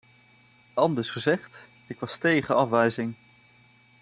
Anders gezegd, ik was tegen afwijzing.